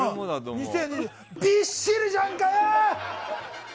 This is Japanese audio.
びっしりじゃんかよ！